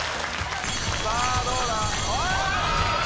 さあどうだ？